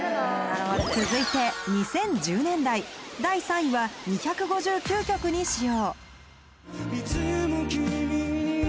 続いて２０１０年代第３位は２５９曲に使用